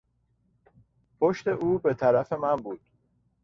پشت او به طرف من بود.